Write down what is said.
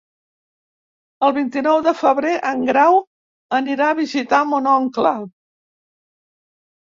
El vint-i-nou de febrer en Grau anirà a visitar mon oncle.